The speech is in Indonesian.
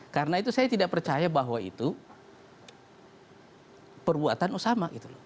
karena itu saya tidak percaya bahwa itu perbuatan osama